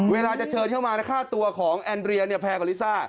เวลาจะเชิญเข้ามาค่าตัวของแอนเรียแพงกว่าลิซ่า